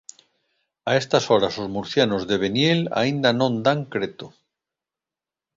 A estas horas os murcianos de Beniel aínda non dan creto.